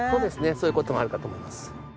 そういう事があるかと思います。